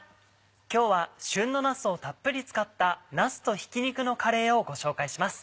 今日は旬のなすをたっぷり使った「なすとひき肉のカレー」をご紹介します。